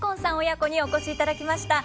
親子にお越しいただきました。